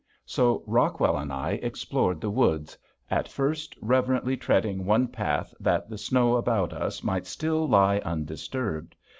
So Rockwell and I explored the woods, at first reverently treading one path that the snow about us might still lie undisturbed.